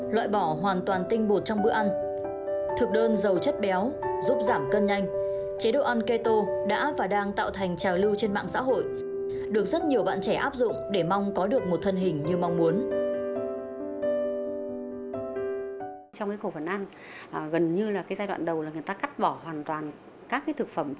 loại bỏ hoàn toàn tinh bột trong bữa ăn thực đơn giàu chất béo giúp giảm cân nhanh chế độ ăn keto đã và đang tạo thành trào lưu trên mạng xã hội được rất nhiều bạn trẻ áp dụng để mong có được một thân hình như mong muốn